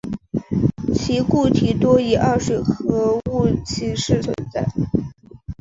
其固体多以二水合物形式存在。